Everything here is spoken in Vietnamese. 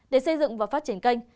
để xây dựng và phát triển kênh